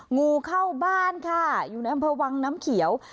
งูเข้าบ้านค่ะอยู่ในอำเภอวังน้ำเขียว